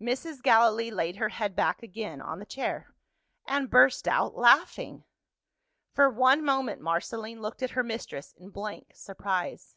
Mrs. Gallilee laid her head back again on the chair and burst out laughing. For one moment, Marceline looked at her mistress in blank surprise.